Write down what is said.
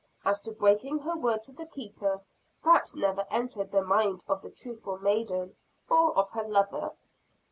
As to breaking her word to the Keeper, that never entered the mind of the truthful maiden, or of her lover.